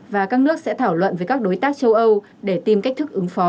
và các nước sẽ thảo luận với các đối tác châu âu để tìm cách thức ứng phó